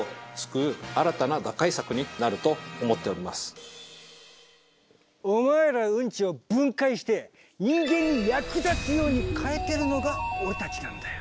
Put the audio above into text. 一次産業お前らウンチを分解して人間に役立つように変えてるのが俺たちなんだよ。